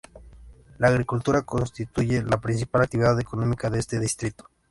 La agricultura constituye la principal actividad económica de este distrito.